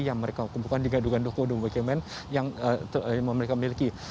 yang mereka kumpulkan dengan dukanduk kodum bkm yang mereka miliki